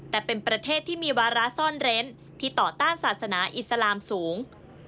แต่เป็นประเทศที่มีวาระซ่อนเร้นที่ต่อต้านศาสนาอิสลามสูง